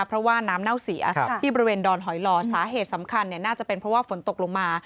เพราะว่าน้ำเน่าเสียที่บริเวณดอนหอยหล่อสาเหตุสำคัญน่าจะเป็นเพราะว่าฝนตกลงมา